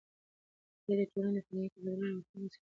مېلې د ټولني د فرهنګي تبادلې یوه مهمه وسیله ده.